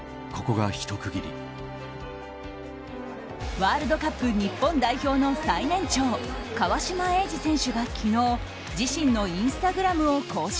ワールドカップ日本代表の最年長川島永嗣選手が昨日自身のインスタグラムを更新。